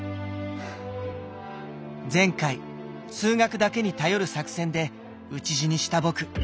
前回数学だけに頼る作戦で討ち死にした僕。